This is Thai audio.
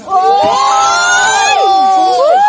โอ้โห